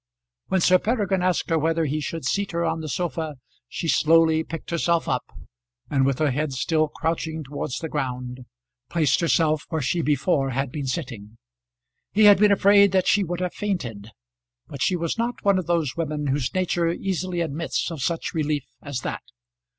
When Sir Peregrine asked her whether he should seat her on the sofa, she slowly picked herself up, and with her head still crouching towards the ground, placed herself where she before had been sitting. He had been afraid that she would have fainted, but she was not one of those women whose nature easily admits of such relief as that.